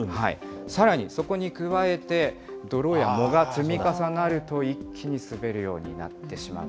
さらにそこに加えて、泥や藻が積み重なると、一気に滑るようになってしまう。